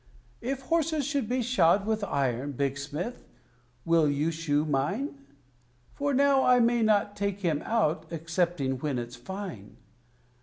If horses should be shod with iron, Big Smith, will you shoe mine? For now I may not take him out, excepting when it's fine.